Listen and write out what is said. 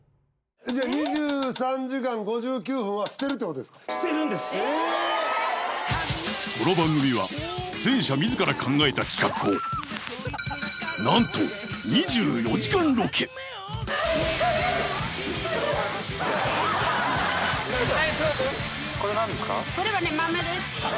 この番組は出演者自ら考えた企画をなんとこれ何ですか？